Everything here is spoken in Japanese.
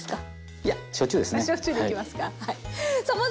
いや焼酎ですね。